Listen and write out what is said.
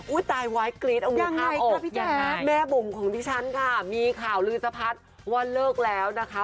อุ๊ยตายไว้กรี๊ดเอาหนูภาพออกนะครับแม่บุ๋มของพี่ฉันค่ะมีข่าวลืนสะพัดว่าเลิกแล้วนะคะ